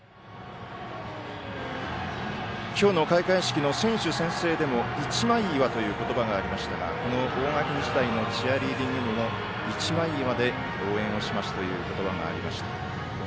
今日の開会式の選手宣誓でも一枚岩という言葉がありましたが大垣日大のチアリーディング部も一枚岩で応援をしますという言葉がありました。